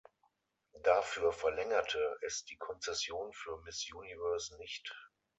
Dafür verlängerte es die Konzession für Miss Universe nicht.